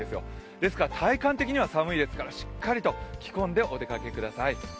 ですから体感的には寒いですからしっかりと着込んでお出かけください。